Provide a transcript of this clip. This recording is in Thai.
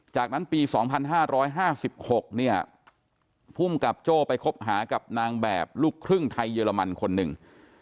จากนั้นปี๒๕๕๖เนี่ยภูมิกับโจ้ไปคบหากับนางแบบลูกครึ่งไทยเยอรมันคนหนึ่ง